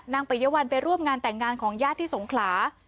ปริยวัลไปร่วมงานแต่งงานของญาติที่สงขลา